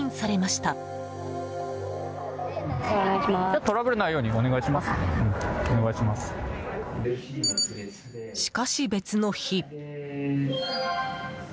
しかし、別の日。